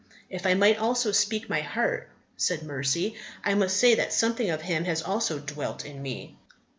"If I might also speak my heart," said Mercy, "I must say that something of him has also dwelt in me.